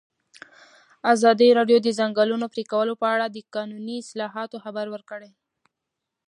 ازادي راډیو د د ځنګلونو پرېکول په اړه د قانوني اصلاحاتو خبر ورکړی.